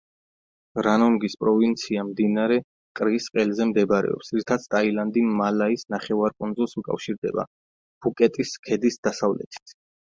რანონგის პროვინცია მდინარე კრის ყელზე მდებარობს, რითაც ტაილანდი მალაის ნახევარკუნძულს უკავშირდება, ფუკეტის ქედის დასავლეთით.